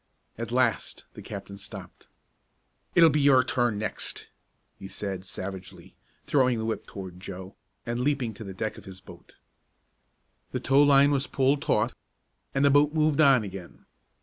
At last the captain stopped. "It'll be your turn next!" he said savagely, throwing the whip toward Joe, and leaping to the deck of his boat. The tow line was pulled taut, and the boat moved on again.